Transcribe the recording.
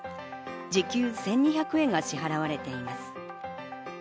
時給１２００円が支払われています。